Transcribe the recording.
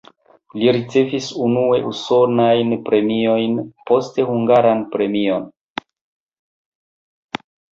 Li ricevis unue usonajn premiojn, poste hungaran premion.